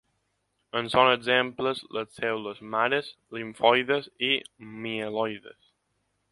En són exemples les cèl·lules mares limfoides i mieloides.